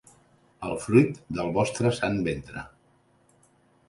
El fruit del vostre sant ventre.